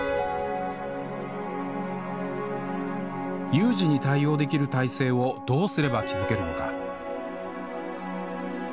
有事に対応できる体制をどうすれば築けるのか